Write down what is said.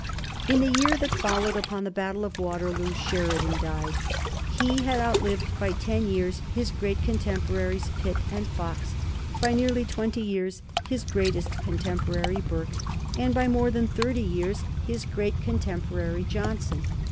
In the year that followed upon the Battle of Waterloo, Sheridan died. He had outlived by ten years his great contemporaries Pitt and Fox, by nearly twenty years his greatest contemporary Burke, and by more than thirty years his great contemporary Johnson.